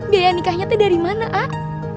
biaya nikahnya itu dari mana ak